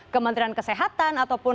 kementerian kesehatan ataupun